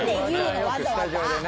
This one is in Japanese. よくスタジオでね。